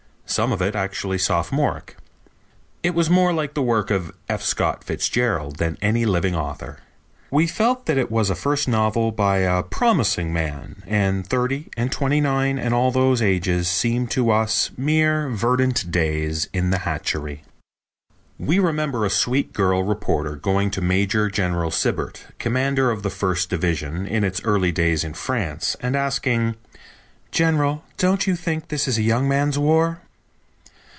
Some of it actually sophomoric. It was more like the work of F. Scott Fitzgerald than any living author. We felt that it was a first novel by a "promising" man, and thirty and twenty nine and all those ages seemed to us mere verdant days in the hatchery. We remember a sweet girl reporter going to Major General Sibert, commander of the First Division in its early days in France, and asking: "General, don't you think this is a young man's war?"